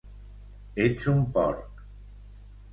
Ets un porc!